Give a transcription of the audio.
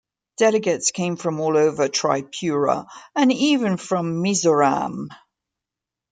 Delegates came from all over Tripura and even from Mizoram.